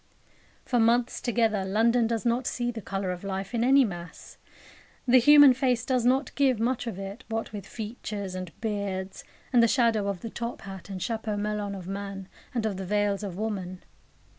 For months together London does not see the colour of life in any mass. The human face does not give much of it, what with features, and beards, and the shadow of the top hat and chapeau melon of man, and of the veils of woman.